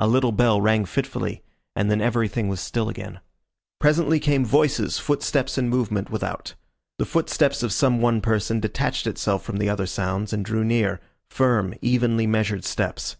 A little bell rang fitfully, and then everything was still again. Presently came voices, footsteps and movement without. The footsteps of some one person detached itself from the other sounds, and drew near, firm, evenly measured steps.